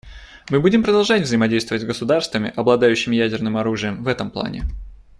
Мы будем продолжать взаимодействовать с государствами, обладающими ядерным оружием, в этом плане.